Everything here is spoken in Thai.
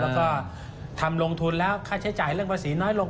แล้วก็ทำลงทุนแล้วค่าใช้จ่ายเรื่องภาษีน้อยลง